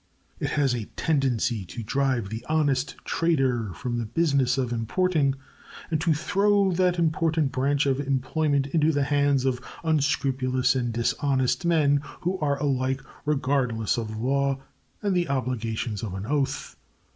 It has a tendency to drive the honest trader from the business of importing and to throw that important branch of employment into the hands of unscrupulous and dishonest men, who are alike regardless of law and the obligations of an oath.